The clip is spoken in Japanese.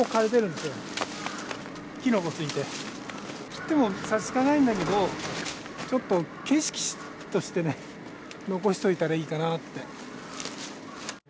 切っても差し支えないんだけどちょっと景色としてね残しておいたらいいかなって。